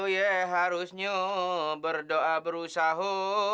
ya harusnya berdoa berusaha